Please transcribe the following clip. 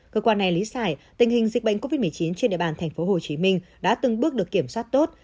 cơ quan này lý giải tình hình dịch bệnh covid một mươi chín trên địa bàn tp hcm đã từng bước được kiểm soát tốt